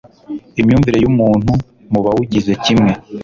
imyumvire y'umuntu mu bawugize kimwe